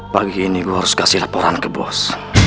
pagi ini lo harus kasih laporan ke bos